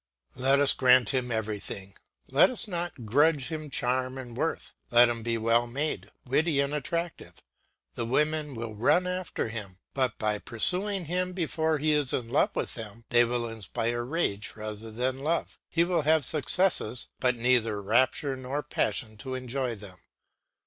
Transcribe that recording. Let us grant him everything, let us not grudge him charm and worth; let him be well made, witty, and attractive; the women will run after him; but by pursuing him before he is in love with them, they will inspire rage rather than love; he will have successes, but neither rapture nor passion to enjoy them.